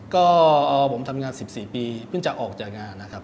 ก็ผมทำงาน๑๔ปีเพิ่งจะออกจากงานนะครับ